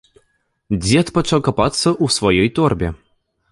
Дзед пачаў капацца ў сваёй торбе.